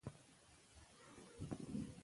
د علم ترلاسه کول د هر چا حق دی.